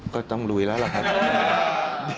ก็ต้องลุยแล้วล่ะครับ